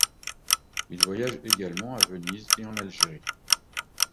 Il voyage également à Venise et en Algérie.